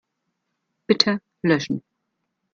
Bitte löschen.